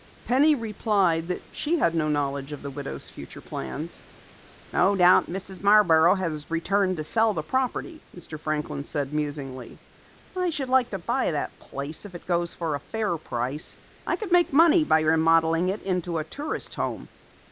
Penny replied that she had no knowledge of the widow's future plans. "No doubt Mrs. Marborough has returned to sell the property," Mr. Franklin said musingly. "I should like to buy that place if it goes for a fair price. I could make money by remodeling it into a tourist home."